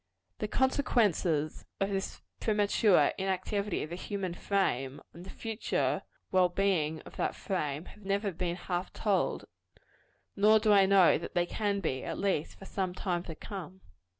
The consequences of this premature inactivity of the human frame, on the future well being of that frame, have never been half told: nor do I know that they can be at least for some time to come.